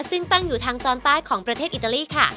ซึ่งตั้งอยู่ทางตอนใต้ของประเทศอิตาลีค่ะ